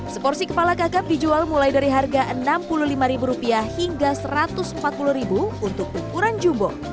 seporsi kepala kakap dijual mulai dari harga rp enam puluh lima hingga rp satu ratus empat puluh untuk ukuran jumbo